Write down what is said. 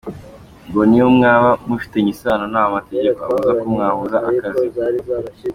Ngo n’iyo mwaba mufitanye isano, ntaho amategeko abuza ko wamuha akazi.